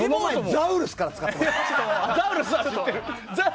ザウルスは知ってます。